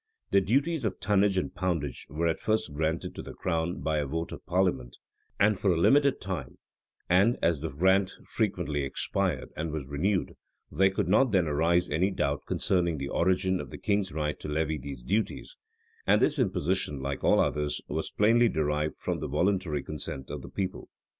The duties of tonnage and poundage were at first granted to the crown by a vote of parliament, and for a limited time; and as the grant frequently expired and was renewed, there could not then arise any doubt concerning the origin of the king's right to levy these duties; and this imposition, like all others, was plainly derived from the voluntary consent of the people.